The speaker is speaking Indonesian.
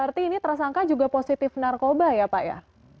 berarti ini tersangka juga positif narkoba ya pak ya